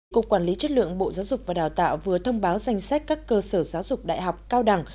cục quản lý chất lượng bộ giáo dục và đào tạo vừa thông báo danh sách các cơ sở giáo dục đại học cao đẳng